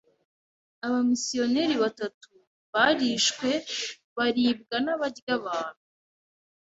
Abamisiyoneri batatu barishwe baribwa n'abarya abantu.